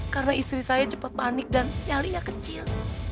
karena istri saya cepat panik dan nyalinya kecil